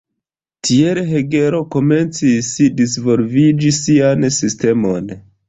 Tiel Hegelo komencis disvolviĝi sian sistemon.